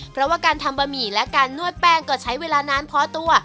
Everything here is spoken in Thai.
เพราะว่าการทำบะหมี่และการนวดแป้งก็ใช้เวลานานพอตัว